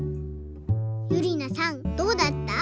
ゆりなさんどうだった？